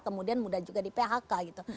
kemudian mudah juga di phk gitu